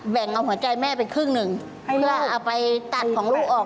เอาหัวใจแม่ไปครึ่งหนึ่งเพื่อเอาไปตัดของลูกออก